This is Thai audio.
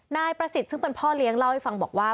นายประสิทธิ์ซึ่งเป็นพ่อเลี้ยงเล่าให้ฟังบอกว่า